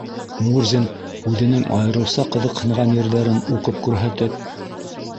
Мурзин үҙенең айырыуса ҡыҙыҡһынған ерҙәрен уҡып күрһәтеп: